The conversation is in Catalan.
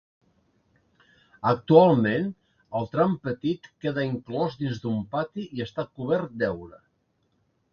Actualment, el tram petit queda inclòs dins d'un pati i està cobert d'heura.